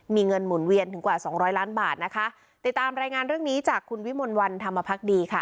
มีเงินหมุนเวียนถึงกว่าสองร้อยล้านบาทนะคะติดตามรายงานเรื่องนี้จากคุณวิมลวันธรรมพักดีค่ะ